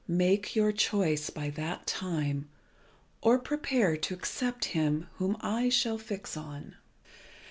Make your choice by that time, or prepare to accept him whom I shall fix on."